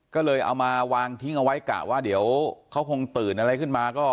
ก็เลยเอามาวางทิ้งเอาไว้กะว่าเดี๋ยวเขาคงตื่นอะไรขึ้นมาก็